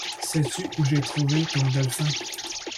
Sais-tu où je l’ai trouvé, ton Delphin?